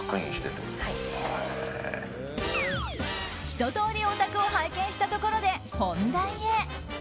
ひと通りお宅を拝見したところで本題へ。